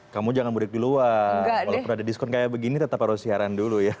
kamu jangan mudik di luar walaupun ada diskon kayak begini tetap harus siaran dulu ya